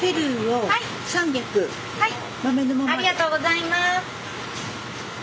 ありがとうございます。